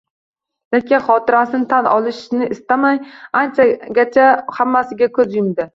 Lekin xatosini tan olishni istamay, anchagacha hammasiga ko`z yumdi